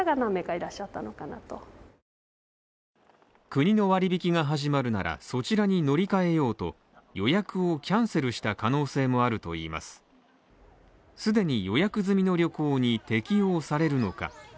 国の割引が始まるなら、そちらに乗り換えようと、予約をキャンセルした可能性もあるといいます既に予約済みの旅行に適用されるのか。